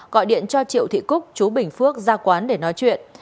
gọi điện cho triệu thị cúc chú bình phước ra quán để nói chuyện